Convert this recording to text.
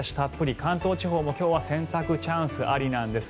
関東地方も洗濯チャンスありなんです。